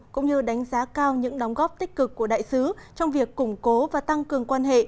cũng như đánh giá cao những đóng góp tích cực của đại sứ trong việc củng cố và tăng cường quan hệ